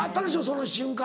その瞬間。